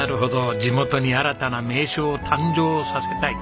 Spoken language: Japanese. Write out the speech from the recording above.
地元に新たな名所を誕生させたい。